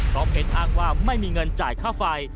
เพราะเพชรอ้างว่าไม่มีเงินจ่ายค่าไฟ